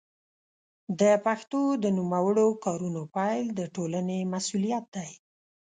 د پښتو د نوموړو کارونو پيل د ټولنې مسوولیت دی.